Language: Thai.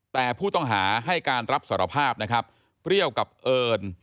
แต่ผู้ต้องหาให้การรับสารภาพนะครับเปรี้ยวกับเอิญ